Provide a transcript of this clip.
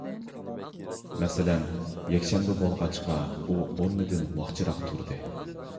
مەسىلەن، يەكشەنبە بولغاچقا، ئۇ ئورنىدىن ۋاقچىراق تۇردى.